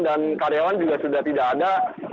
dan karyawan juga sudah tidak ada